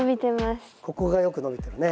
ここがよく伸びてるね。